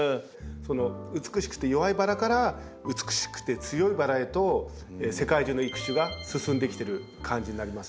美しくて弱いバラから美しくて強いバラへと世界中の育種が進んできている感じになりますね。